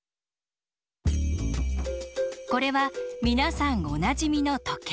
これは皆さんおなじみの時計。